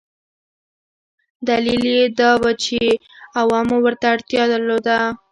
دلیل یې دا و چې عوامو ورته اړتیا درلوده.